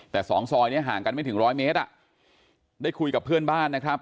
แต่สองซอยนี้ห่างกันไม่ถึงร้อยเมตรอ่ะได้คุยกับเพื่อนบ้านนะครับ